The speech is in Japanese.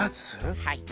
はい。